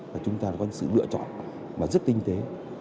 và chúng ta có sự lựa chọn và rất tinh tế